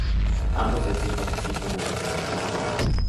Ambos sexos participan en la construcción del nido.